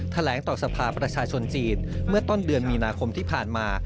แถลงต่อสภาประชาชนจีนเมื่อต้นเดือนมีนาคมที่ผ่านมา